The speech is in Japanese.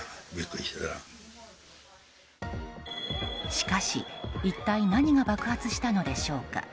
しかし、一体何が爆発したのでしょうか？